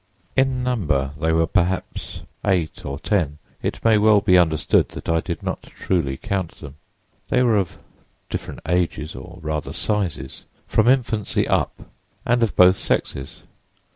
In number they were perhaps eight or ten—it may well be understood that I did not truly count them. They were of different ages, or rather sizes, from infancy up, and of both sexes.